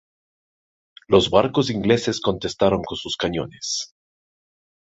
Los barcos ingleses contestaron con sus cañones.